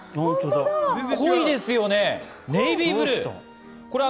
濃いですよね、ネイビーブルー。